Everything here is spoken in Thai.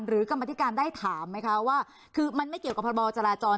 กรรมธิการได้ถามไหมคะว่าคือมันไม่เกี่ยวกับพบจราจร